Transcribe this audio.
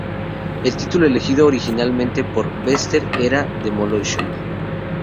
El título elegido originalmente por Bester era "Demolition!